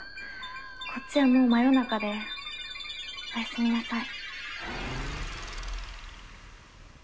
こっちはもう真夜中でおやすみなさい。